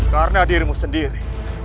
karena dirimu sendiri